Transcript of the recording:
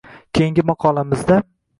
Keyingi maqolamizda